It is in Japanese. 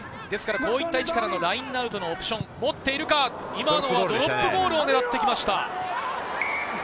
こういった位置からのラインアウトオプションを持ってるか、今のはドロップゴールを狙っていきました。